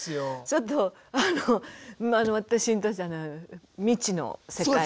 ちょっとあの私にとっては未知の世界ですね。